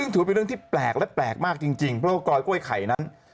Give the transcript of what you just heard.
ที่แปลกแล้วแปลกมากจริงเพราะกลอยกล้วยไข่นั้น